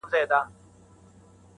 • انتقام اخیستل نه بخښل یې شرط دی..